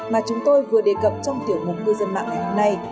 mà chúng tôi vừa đề cập trong tiểu mục cư dân mạng ngày hôm nay